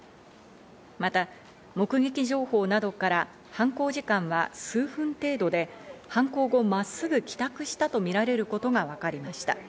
また目撃情報などから犯行時間は数分程度で、犯行後、まっすぐ帰宅したとみられることがわかりました。